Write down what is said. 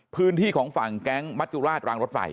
พื้นที่ของฝั่งแก๊งมัจจุราชรางรถไฟ